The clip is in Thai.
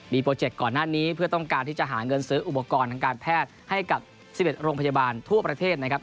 มีโปรเจกต์ก่อนหน้านี้เพื่อต้องการที่จะหาเงินซื้ออุปกรณ์ทางการแพทย์ให้กับ๑๑โรงพยาบาลทั่วประเทศนะครับ